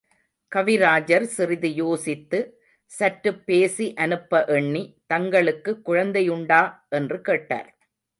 கவிராஜர் சிறிது யோசித்து — சற்றுப் பேசி அனுப்ப எண்ணி, தங்களுக்குக் குழந்தை உண்டா? என்று கேட்டார்.